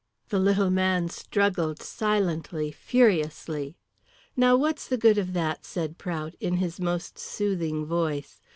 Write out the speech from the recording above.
The little man struggled silently, furiously. "Now, what's the good of that?" said Prout in his most soothing voice.